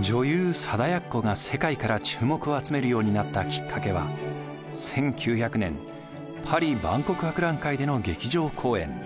女優貞奴が世界から注目を集めるようになったきっかけは１９００年パリ万国博覧会での劇場公演。